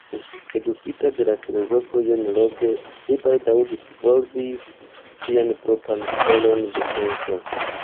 Edukita de la filozofo John Locke, li baldaŭ disvolvis sian propran skolon de penso.